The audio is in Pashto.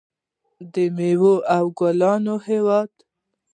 د میوو او ګلونو هیواد.